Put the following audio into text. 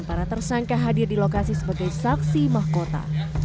para tersangka hadir di lokasi sebagai saksi mahkota